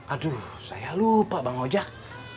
aduh saya lupa bang ojek